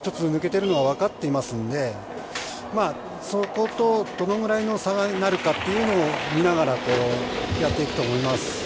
各チーム、スロベニアが頭一つ抜けているのはわかっていますので、そことどのぐらいの差になるかというのを見ながら、やっていくと思います。